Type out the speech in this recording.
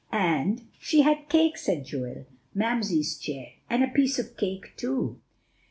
"And she had cake," said Joel; "Mamsie's chair, and a piece of cake too."